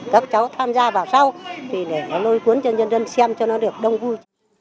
thì để nó lôi cuốn cho nhân dân xem cho nó được đông vui